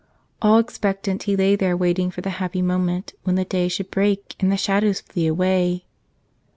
All expectant he lay there waiting for the happy moment when the day should break and the shadows flee away.